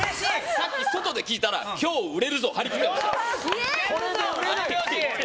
さっき外で聞いたら今日売れるぞって張り切ってました。